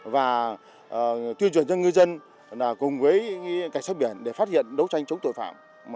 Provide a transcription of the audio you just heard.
và tuyên truyền cho ngư dân cùng với cảnh sát biển để phát hiện đấu tranh chống tội phạm